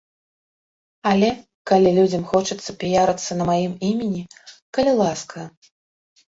Але, калі людзям хочацца піярыцца на маім імені, калі ласка.